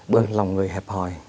bởi lòng người hẹp hỏi